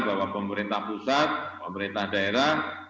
bahwa pemerintah pusat pemerintah daerah